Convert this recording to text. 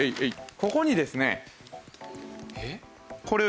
ここにですね。